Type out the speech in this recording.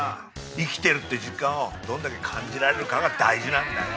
生きてるって実感をどんだけ感じられるかが大事なんだよ。